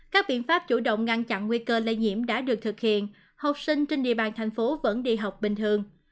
các biện pháp chủ động ngăn chặn nguy cơ lây nhiễm đã được thực hiện học sinh trên địa bàn thành phố vẫn đi học bình thường